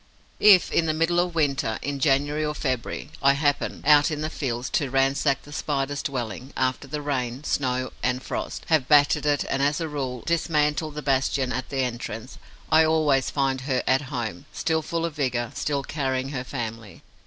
If, in the middle of winter, in January or February, I happen, out in the fields, to ransack the Spider's dwelling, after the rain, snow and frost have battered it and, as a rule, dismantled the bastion at the entrance, I always find her at home, still full of vigour, still carrying her family.